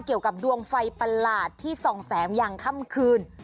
เกี่ยวกับดวงไฟประหลาดที่ส่องแสงอย่างค่ำคืน